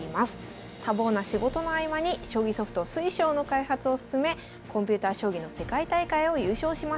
多忙な仕事の合間に将棋ソフト水匠の開発を進めコンピュータ将棋の世界大会を優勝しました。